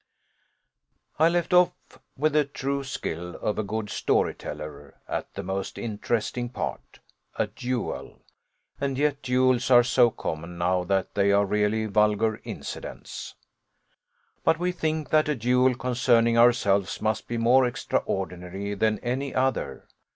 "I left off with the true skill of a good story teller, at the most interesting part a duel; and yet duels are so common now that they are really vulgar incidents. "But we think that a duel concerning ourselves must be more extraordinary than any other.